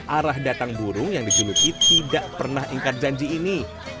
arah datang burung yang dijuluki tidak pernah ingkat janji ini